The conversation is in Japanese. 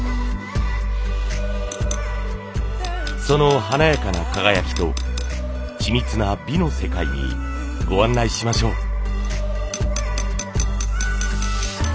その華やかな輝きと緻密な美の世界にご案内しましょう。